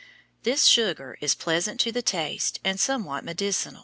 This sugar is pleasant to the taste and somewhat medicinal.